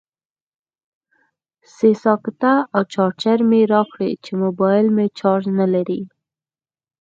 سه ساکټه او چارجر مې راکړئ چې موبایل مې چارج نلري